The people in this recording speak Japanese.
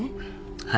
はい。